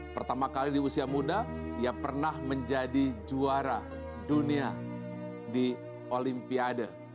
pertama kali di usia muda ia pernah menjadi juara dunia di olimpiade